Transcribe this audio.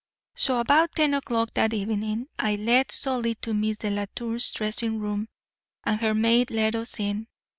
"So about ten o'clock that evening I led Solly to Miss Delatour's dressing room, and her maid let us in.